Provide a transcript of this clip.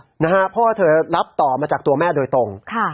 เพราะว่าเธอรับต่อมาจากตัวแม่โดยตรง